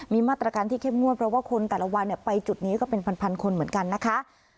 มีมาตรการที่เข้มงวดเพราะว่าคนแต่ละวันไปจุดนี้ก็เป็นพันคนเหมือนกันนะคะ